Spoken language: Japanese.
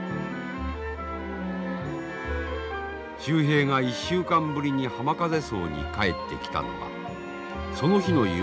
秀平が１週間ぶりに浜風荘に帰ってきたのはその日の夕方であります。